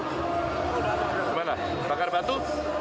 gimana bakar batu